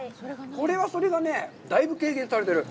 これはそれがだいぶ軽減されてる。